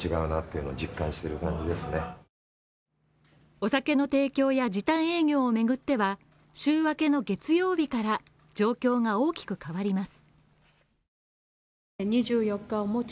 お酒の提供や時短営業をめぐっては、週明けの月曜日から、状況が大きく変わります。